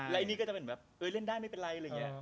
แล้วอันนี้ก็จะเป็นแบบเล่นได้ไม่เป็นไร